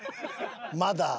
まだ。